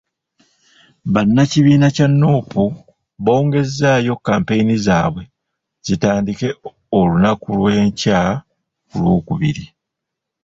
Bannakibiina kya Nuupu bongezzaayo kampeyini zaabwe, zitandike olunaku lw'enkya ku Lwokubiri.